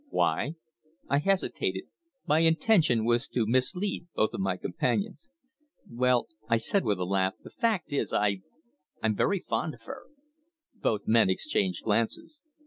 "Why?" I hesitated. My intention was to mislead both of my companions. "Well," I said with a laugh, "the fact is, I I'm very fond of her!" Both men exchanged glances.